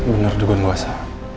bener dukung gue sa